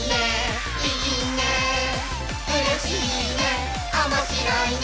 「うれしいねおもしろいね」